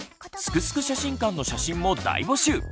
「すくすく写真館」の写真も大募集！